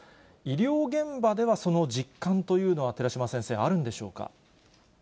医療現場ではその実感というのは寺嶋先生、あるんでしょうか。